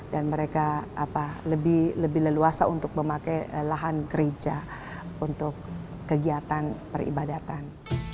dan mereka lebih leluasa untuk memakai lahan gereja untuk kegiatan peribadatan